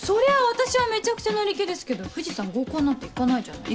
私はめちゃくちゃ乗り気ですけど藤さん合コンなんて行かないじゃない。